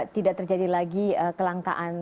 tidak terjadi lagi kelangkaan